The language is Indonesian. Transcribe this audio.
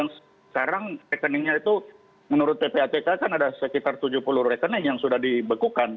sekarang rekeningnya itu menurut ppatk kan ada sekitar tujuh puluh rekening yang sudah dibekukan